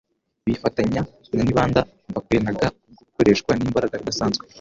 Bifatanya na nibanda mvakwenaga kubwo gukoreshwa n'imbaraga idasanzwe;